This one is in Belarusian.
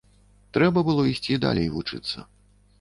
Трэба было ісці далей вучыцца.